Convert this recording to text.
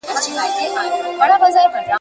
چي ښوونکي او ملا به را ښودله ,